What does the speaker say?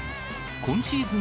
今シーズン